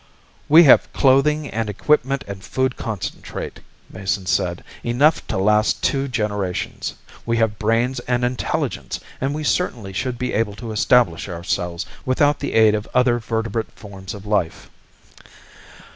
"We have clothing and equipment and food concentrate," Mason said. "Enough to last two generations. We have brains and intelligence, and we certainly should be able to establish ourselves without the aid of other vertebrate forms of life.